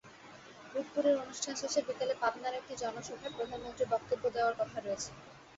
রূপপুরের অনুষ্ঠান শেষে বিকেলে পাবনার একটি জনসভায় প্রধানমন্ত্রীর বক্তব্য দেওয়ার কথা রয়েছে।